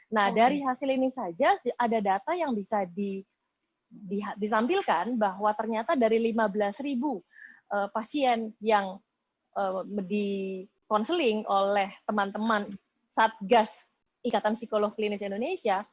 nah dari hasil ini saja ada data yang bisa ditampilkan bahwa ternyata dari lima belas ribu pasien yang di counseling oleh teman teman satgas ikatan psikolog klinis indonesia